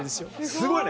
すごいね。